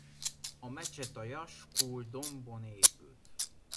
A mecset a Jaskur-dombon épült.